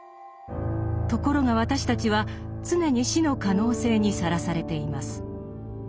ところが私たちは常に死の可能性にさらされています。